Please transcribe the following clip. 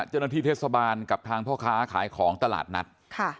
เจ้าหน้าที่เทศบาลกับทางพ่อค้าขายของตลาดนัด